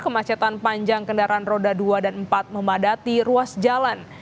kemacetan panjang kendaraan roda dua dan empat memadati ruas jalan